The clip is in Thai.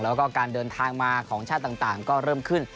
แล้วก็การเดินทางมาของชาติต่างก็เริ่มขึ้น